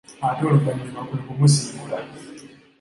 Ate oluvannyuma kwe kumusibula.